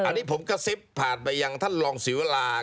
อันนี้ผมกระซิบผ่านไปยังท่านรองศิวรา